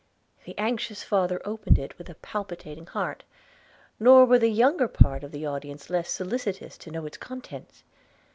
The anxious father opened it with a palpitating heart, nor were the younger part of the audience less solicitous to know its contents.